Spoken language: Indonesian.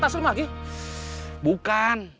taslim lagi bukan